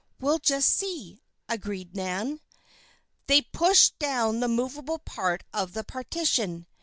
"We'll just see," agreed Nan. They pushed down the movable part of the partition.